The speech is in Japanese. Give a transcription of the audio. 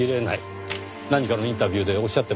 何かのインタビューでおっしゃってましたよ。